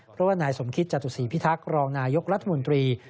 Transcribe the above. เพราะว่านายสมคิตจตุศีพิทักษ์รองนายกรัฐมนตรี